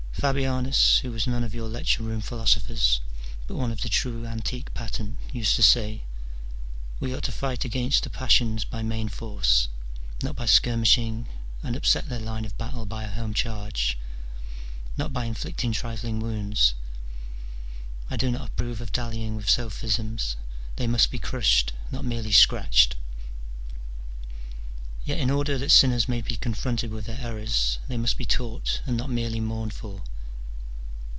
Fabianus, who was none of your lecture room philosophers, but one of the true antique pattern, used to say, " We ought to fight against the passions by main force, not by skirmishing, and upset their line of battle by a home charge, not by inflicting trifling wounds : I do not approve of dallying with sophisms ; they must be crushed, not merely scratched." Yet, in order that sinners may be confronted with their errors, they must be taught, and not merely mourned for.